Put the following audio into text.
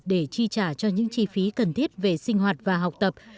để chi trả cho những chi phí cần thiết về sinh hoạt và học tập